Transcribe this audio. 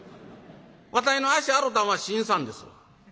わたいの足洗たんは信さんですわ」。